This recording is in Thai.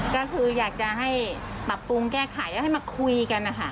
ก็คืออยากจะให้ปรับปรุงแก้ไขแล้วให้มาคุยกันนะคะ